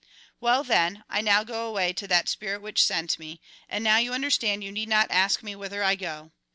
" Well then, I now go away to that Spirit which ' sent me ; and now you understand, you need not ask me whither I go.